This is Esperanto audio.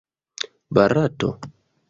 Barato?